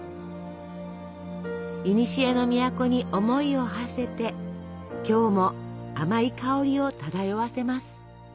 いにしえの都に思いをはせて今日も甘い香りを漂わせます。